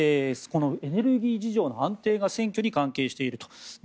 このエネルギー事情が選挙に関係している。